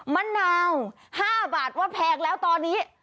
มะนาว๕บาทว่าแพงแล้วตอนนี้